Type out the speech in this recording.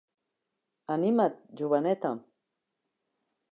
anima't, joveneta!